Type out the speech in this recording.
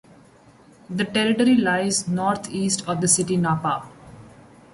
The territory lies northeast of the city Napa.